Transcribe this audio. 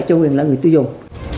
cho người tiêu dùng